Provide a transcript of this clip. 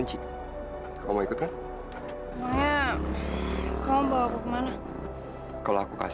semua udah beres